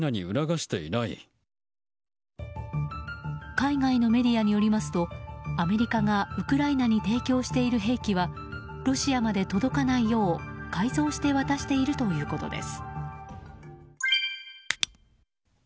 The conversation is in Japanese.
海外のメディアによりますとアメリカがウクライナに提供している兵器はロシアまで届かないよう改造して渡しているということです。